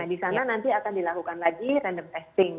di sana nanti akan dilakukan lagi random testing